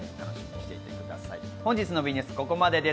本日のＷＥニュース、ここまでです。